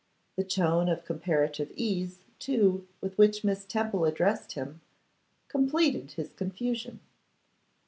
The tone of comparative ease, too, with which Miss Temple addressed him, completed his confusion.